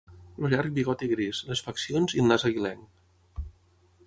El llarg bigoti gris, les faccions i el nas aguilenc.